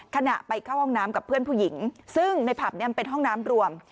ขณะไปเข้าห้องน้ำกับเพื่อนผู้หญิงซึ่งในผับเนี่ยมันเป็นห้องน้ำรวม